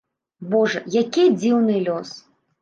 Божа, які дзіўны лёс!